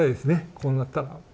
こうなったら。